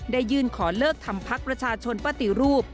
ได้ยื่นขอเลิกทำพักประชาชนปฏิรูป